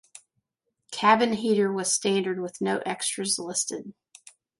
Cabin heater was standard with no extras listed.